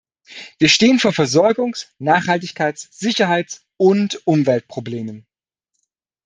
Wir stehen vor Versorgungs-, Nachhaltigkeits-, Sicherheits- und Umweltproblemen.